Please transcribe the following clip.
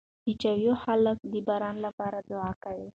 د چیواوا خلک د باران لپاره دعا کوي.